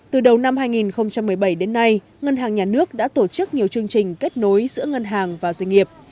từ đầu năm hai nghìn một mươi bảy đến nay ngân hàng nhà nước đã tổ chức nhiều chương trình kết nối giữa ngân hàng và doanh nghiệp